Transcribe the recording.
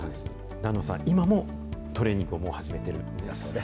檀野さん、今もトレーニングをもう始めているんだそうです。